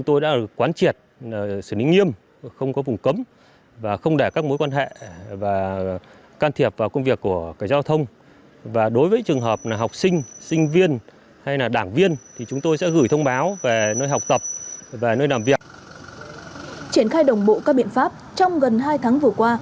triển khai đồng bộ các biện pháp trong gần hai tháng vừa qua